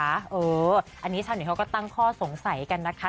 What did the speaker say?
อันนี้ชาวเน็ตเขาก็ตั้งข้อสงสัยกันนะคะ